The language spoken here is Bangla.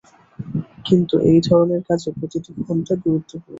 কিন্তু এই ধরনের কাজে প্রতিটা ঘণ্টা গুরুত্বপূর্ণ।